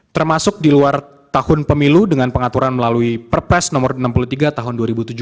terpemilu dengan pengaturan melalui perpres no enam puluh tiga tahun dua ribu tujuh belas